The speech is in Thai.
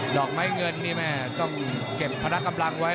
หลอกไม้เงินต้องเก็บแพลกำลังไว้